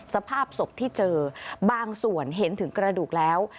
สภาพศพที่เจอบางส่วนเห็นถึงกระดูกแล้ว